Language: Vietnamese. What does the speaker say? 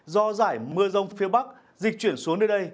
do dải mưa rông phía bắc dịch chuyển xuống đến đây